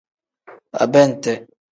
Abente.